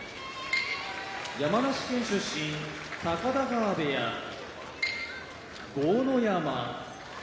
山梨県出身高田川部屋豪ノ山